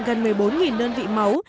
gần một mươi bốn đơn vị máu